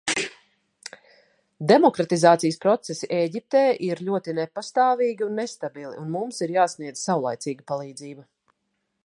Demokratizācijas procesi Ēģiptē ir ļoti nepastāvīgi un nestabili, un mums ir jāsniedz savlaicīga palīdzība.